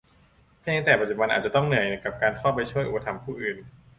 เพียงแต่ปัจจุบันอาจจะต้องเหนื่อยกับการเข้าไปช่วยอุปถัมภ์ผู้อื่น